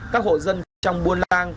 các hộ dân trong buôn lang